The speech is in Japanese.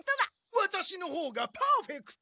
ワタシのほうがパーフェクト！